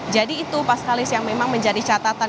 jadi itu paskalis yang memang menjadi catatan